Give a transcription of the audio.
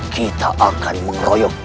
kita akan menyerah